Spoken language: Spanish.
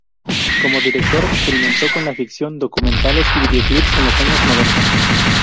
Como director, experimentó con ficción, documentales y videoclips en los años noventa.